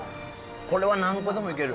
これは何個でもいける。